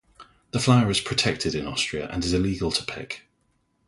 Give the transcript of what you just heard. The flower is protected in Austria and illegal to pick.